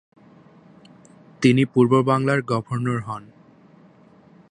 তিনি পূর্ব বাংলার গভর্নর হন।